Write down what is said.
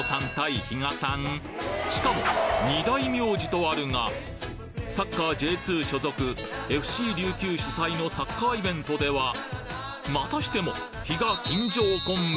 しかもサッカーＪ２所属ＦＣ琉球主催のサッカーイベントではまたしても比嘉金城コンビ！